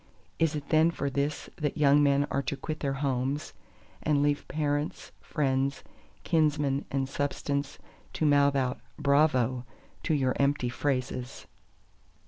Is it then for this that young men are to quit their homes, and leave parents, friends, kinsmen and substance to mouth out Bravo to your empty phrases!